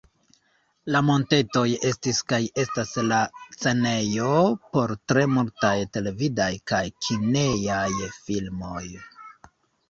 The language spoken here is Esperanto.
La montetoj estis kaj estas la scenejo por tre multaj televidaj kaj kinejaj filmoj.